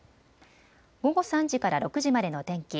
午後３時から６時までの天気。